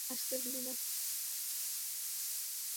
আসতে ভুলো না।